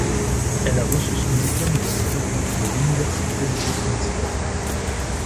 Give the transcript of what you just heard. Elle a reçu son diplôme de mode de l’Université de Westminster.